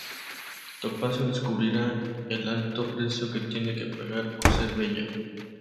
Topacio descubrirá el alto precio que tiene que pagar por ser bella.